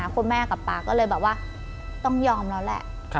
คุณแม่กับป๊าก็เลยแบบว่าต้องยอมแล้วแหละ